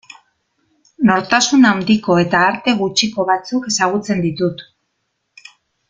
Nortasun handiko eta arte gutxiko batzuk ezagutzen ditut.